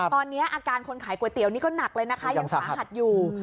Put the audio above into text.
ตอนนี้อาการคนขายก๋วยเตี๋ยวนี่ก็หนักเลยนะคะยังสาหัสอยู่